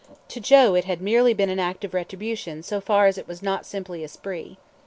To Joe it had been merely an act of retribution in so far as it was not simply a spree.